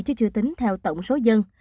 chứ chưa tính theo tổng số dân